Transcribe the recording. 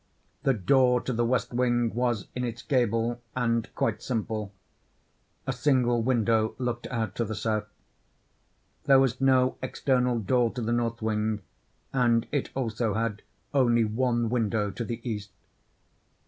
The door to the west wing was in its gable, and quite simple—a single window looked out to the south. There was no external door to the north wing, and it also had only one window to the east.